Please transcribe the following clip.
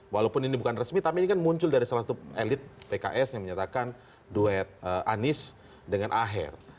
walaupun ini bukan resmi tapi ini kan muncul dari salah satu elit pks yang menyatakan duet anies dengan aher